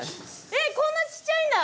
えっこんなちっちゃいんだ。